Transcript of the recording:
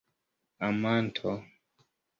amanto